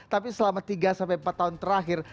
tapi selama tiga sampai empat tahun terakhir